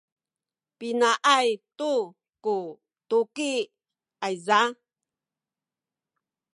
pinaay tu ku tuki ayza?